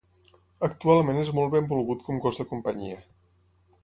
Actualment és molt benvolgut com gos de companyia.